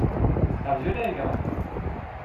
How's your day going?